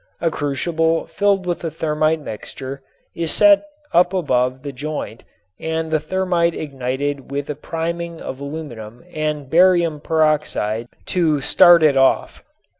A crucible filled with the thermit mixture is set up above the joint and the thermit ignited with a priming of aluminum and barium peroxide to start it off.